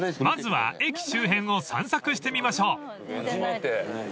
［まずは駅周辺を散策してみましょう］